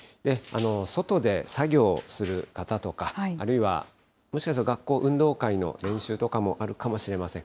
外で作業する方とか、あるいはもしかすると、学校、運動会の練習とかあるかもしれません。